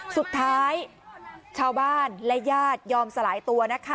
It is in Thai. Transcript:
สุดท้ายชาวบ้านและญาติยอมสลายตัวนะคะ